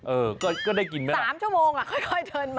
เออก็ได้กินไหม๓ชั่วโมงค่อยเทินมา